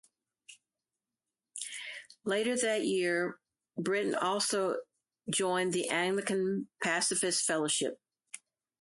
Later that year, Brittain also joined the Anglican Pacifist Fellowship.